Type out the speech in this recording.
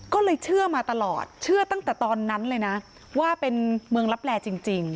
ก็เลยเชื่อมาตลอดเชื่อตั้งแต่ตอนนั้นเลยนะว่าเป็นเมืองลับแลจริง